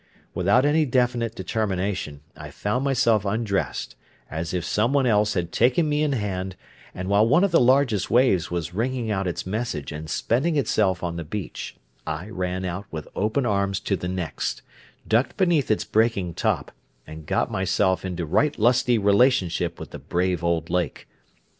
Without any definite determination I found myself undressed, as if some one else had taken me in hand; and while one of the largest waves was ringing out its message and spending itself on the beach, I ran out with open arms to the next, ducked beneath its breaking top, and got myself into right lusty relationship with the brave old lake.